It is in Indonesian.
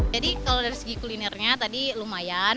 kalau dari segi kulinernya tadi lumayan